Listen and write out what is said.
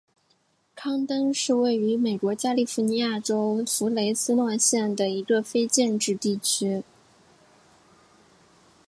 康登是位于美国加利福尼亚州弗雷斯诺县的一个非建制地区。